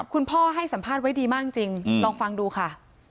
คุณพ่อให้สัมภาษณ์ไว้ดีมากจริงลองฟังดูค่ะ